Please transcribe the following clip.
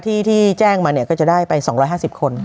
ที่แจ้งมาเนี่ยก็จะได้ไป๒๕๐คน